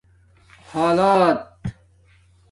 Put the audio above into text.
حالات